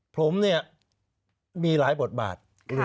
ผมเนี่ยมีหลายบทบาท